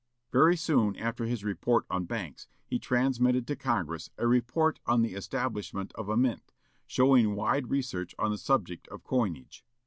Very soon after his report on banks, he transmitted to Congress a report on the establishment of a mint, showing wide research on the subject of coinage.